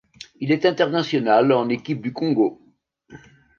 Il est international en équipe du Congo.